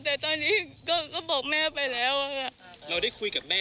ไม่ไม่ไม่ไม่ไม่ไม่ไม่ไม่ไม่ไม่ไม่ไม่ไม่ไม่ไม่